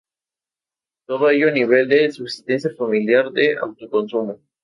Todo ello a nivel de subsistencia familiar, de autoconsumo.